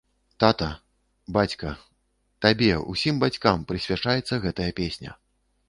Тата, бацька, табе, усім бацькам, прысвячаецца гэтая песня.